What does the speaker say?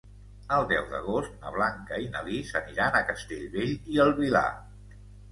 El deu d'agost na Blanca i na Lis aniran a Castellbell i el Vilar.